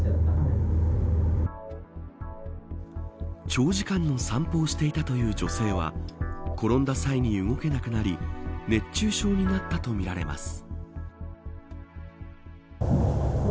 長時間の散歩をしていたという女性は転んだ際に動けなくなり熱中症になったとみられます。